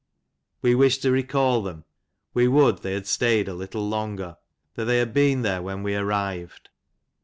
We wish to recal them ; we would they had stayed a little longer ; that they had been there when we arrived.